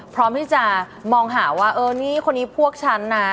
พร้อมที่จะมองหาว่าเออนี่คนนี้พวกฉันนะ